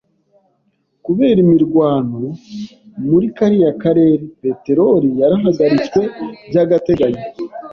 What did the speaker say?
Kubera imirwano muri kariya karere, peteroli yarahagaritswe by'agateganyo.